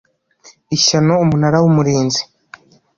ishyano Umunara w Umurinzi